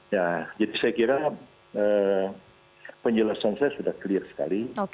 ya jadi saya kira penjelasan saya sudah clear sekali